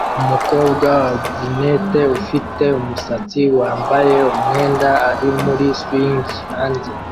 Umukobwa wa Brunette ufite umusatsi wambaye umwenda ari muri swing hanze